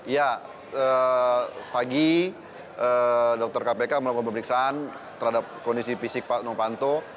ya pagi dokter kpk melakukan pemeriksaan terhadap kondisi fisik pak novanto